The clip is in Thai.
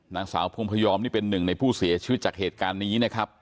นางสาวพงพยอมนี่เป็นหนึ่งในผู้เสียชีวิตจากเหตุการณ์นี้นะครับ